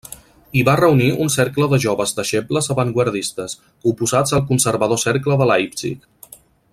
Hi va reunir un cercle de joves deixebles avantguardistes, oposats al conservador cercle de Leipzig.